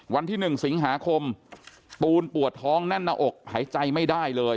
วันที่๑สิงหาคมปูนปวดท้องแน่นหน้าอกหายใจไม่ได้เลย